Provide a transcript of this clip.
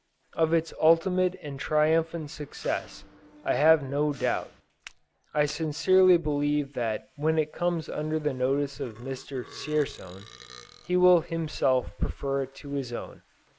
Of its ultimate and triumphant success I have no doubt. I sincerely believe that when it comes under the notice of Mr. Dzierzon, he will himself prefer it to his own.